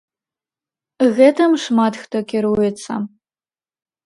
Гэтым шмат хто кіруецца.